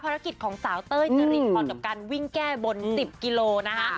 ภารกิจของสาวเต้ยจะรีบพรตการวิ่งแก้บน๑๐กิโลนะครับ